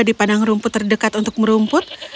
di padang rumput terdekat untuk merumput